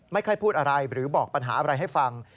พูดอะไรหรือบอกปัญหาอะไรให้ฟัง